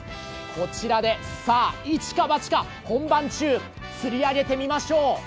こちらで、さあ一か八か本番中、釣り上げてみましょう。